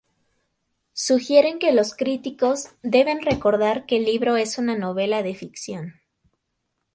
Sugieren que los críticos deben recordar que el libro es una novela de ficción.